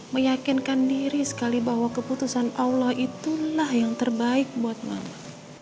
meyakinkan diri sekali bahwa keputusan allah itulah yang terbaik buat mama